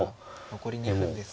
残り２分です。